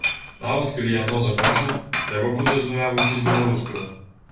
Нават калі яно захоча, трэба будзе з нуля вучыць беларускую.